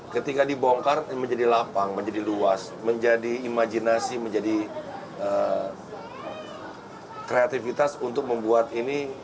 ketika dibongkar menjadi lapang menjadi luas menjadi imajinasi menjadi kreativitas untuk membuat ini